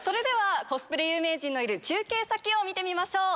コスプレ有名人のいる中継先を見てみましょう！